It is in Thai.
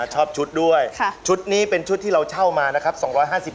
ชอบชุดด้วยชุดนี้เป็นชุดที่เราเช่ามานะครับ